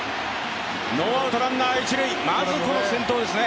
ノーアウトランナーは一塁、まず、この先頭ですね。